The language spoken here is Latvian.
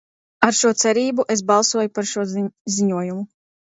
Ar šo cerību es balsoju par šo ziņojumu.